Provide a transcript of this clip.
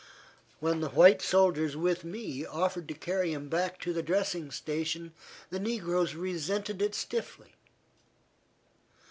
When the white soldiers with me offered to carry him back to the dressing station, the negroes resented it stiffly.